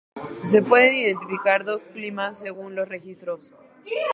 Se pueden identificar dos climas según los registros.